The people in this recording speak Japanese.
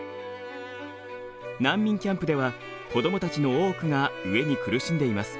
難民キャンプでは子どもたちの多くが飢えに苦しんでいます。